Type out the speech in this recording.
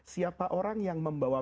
siapa orang yang membawa